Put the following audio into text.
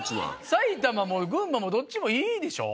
埼玉も群馬もどっちもいいでしょ。